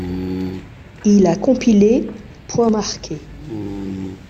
Il a compilé points marqués.